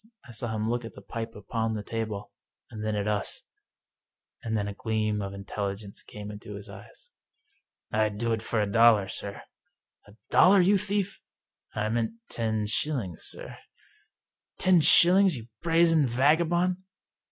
I saw him look at the pipe upon the table, and then at us, and then a gleam of intelligence came into his eyes. " I'd do it for a dollar, sir." "A dollar, you thief?" " I meant ten shillings, sir." " Ten shillings, you brazen vagabond?